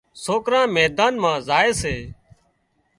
سوڪران ميدان مان زائي سي